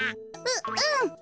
ううん。